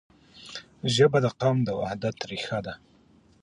ژبه د قام د وحدت رښه ده.